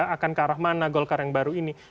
akan ke arah mana golkar yang baru ini